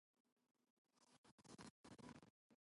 He was also great-nephew of the Aviator Sacadura Cabral.